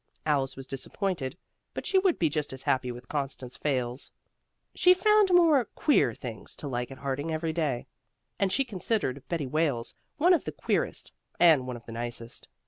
Alice was disappointed, but she would be just as happy with Constance Fayles. She found more "queer" things to like at Harding every day, and she considered Betty Wales one of the queerest and one of the nicest.